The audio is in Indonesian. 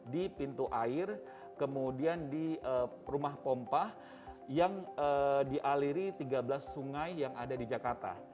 di pintu air kemudian di rumah pompa yang dialiri tiga belas sungai yang ada di jakarta